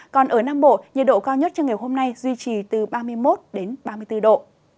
còn ở nam bộ nhiệt độ cao nhất cho ngày hôm nay duy trì từ ba mươi một ba mươi bốn độ